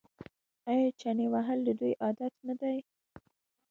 آیا چنې وهل د دوی عادت نه دی؟